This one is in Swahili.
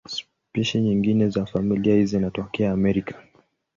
Spishi nyingine za familia hii zinatokea Amerika.